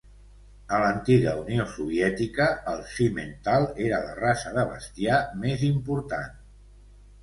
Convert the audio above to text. A l'antiga Unió Soviètica, el Simmental era la raça de bestiar més important.